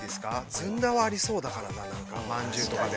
ずんだはありそうだからな、まんじゅうとかで。